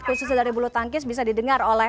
khususnya dari bulu tangkis bisa didengar oleh